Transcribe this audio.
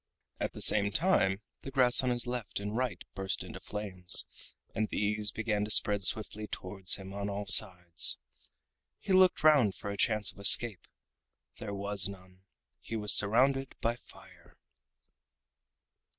At the same time the grass on his left and right burst into flames, and these began to spread swiftly towards him on all sides. He looked round for a chance of escape. There was none. He was surrounded by fire.